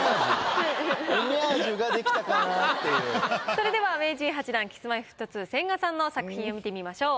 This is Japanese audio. それでは名人８段Ｋｉｓ−Ｍｙ−Ｆｔ２千賀さんの作品を見てみましょう。